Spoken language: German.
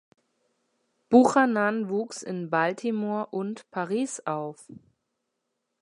Buchanan wuchs in Baltimore und Paris auf.